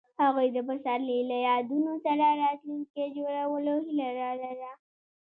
هغوی د پسرلی له یادونو سره راتلونکی جوړولو هیله لرله.